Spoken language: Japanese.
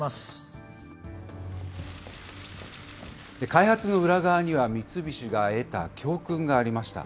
開発の裏側には、三菱が得た教訓がありました。